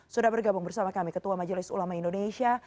sudah bergabung bersama kami ketua majelis ulama indonesia